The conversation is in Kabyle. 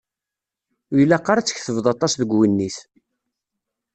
Ur ilaq ara ad tketbeḍ aṭas deg uwennit.